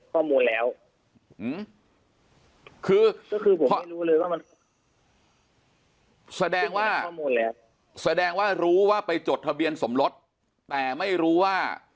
ก็คือผมไม่รู้เลยครับว่ามันมีทะเบียนขึ้นอยู่ในข้อมูลแล้ว